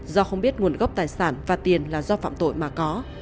do không biết nguồn gốc tài sản và tiền là do phạm tội mà có